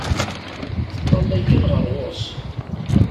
Teṭṭalay kan ɣer ɣur-s.